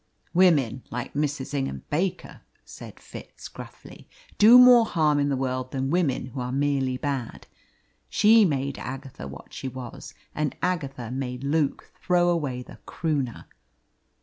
"Women like Mrs. Ingham Baker," said Fitz gruffly, "do more harm in the world than women who are merely bad. She made Agatha what she was, and Agatha made Luke throw away the Croonah."